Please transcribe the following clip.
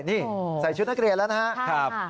นี่ใส่ชุดนักเรียนแล้วนะครับ